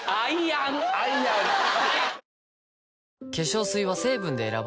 アイアン！